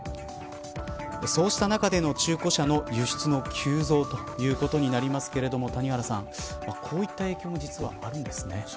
そうした中での中古車の輸出の急増ということになりますけれど谷原さん、こういった影響も実はあるんですね。